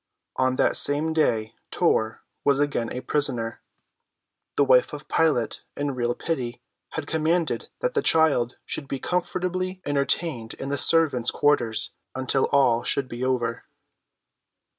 On that same day Tor was again a prisoner. The wife of Pilate in real pity had commanded that the child should be comfortably entertained in the servants' quarters until all should be over.